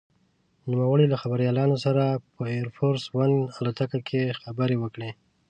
نوموړي له خبریالانو سره په «اېر فورس ون» الوتکه کې خبرې وکړې.